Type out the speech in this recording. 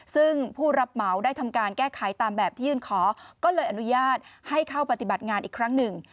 ซึ่งผู้รับเหมาได้ทำการแก้ไขตามแบบที่ยื่นขอก็เลยอนุญาตให้เข้าปฏิบัติงานอีกครั้งหนึ่ง